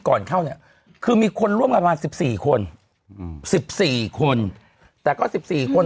ก่อนเข้าเนี่ยคือมีคนร่วมประมาณสิบสี่คนอืมสิบสี่คนแต่ก็สิบสี่คน